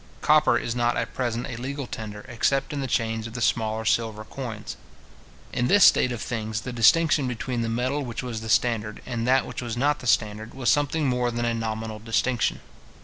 Copper is not at present a legal tender, except in the change of the smaller silver coins. In this state of things, the distinction between the metal which was the standard, and that which was not the standard, was something more than a nominal distinction.